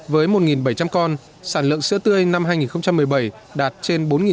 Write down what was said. với một bảy trăm linh con sản lượng sữa tươi năm hai nghìn một mươi bảy đạt trên